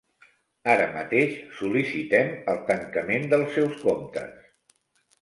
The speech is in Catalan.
Ara mateix sol·licitem el tancament dels seus comptes.